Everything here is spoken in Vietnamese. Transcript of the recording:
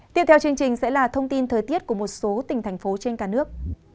tiếp theo chương trình sẽ là thông tin thời tiết của một số tỉnh thành phố trên cả nước